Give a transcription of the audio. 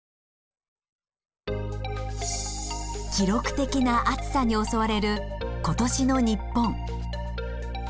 記録的な暑さに襲われる今年の日本。